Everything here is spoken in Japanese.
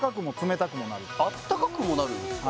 あったかくもなるんですか？